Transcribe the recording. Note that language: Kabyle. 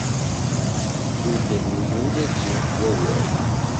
Ur d-rennuɣ ula d yiwen n wawal.